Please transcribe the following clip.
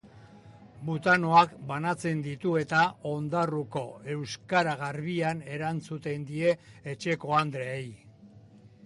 Butanoak banatzen ditu eta ondarruko euskara garbian erantzuten die etxekoandreei.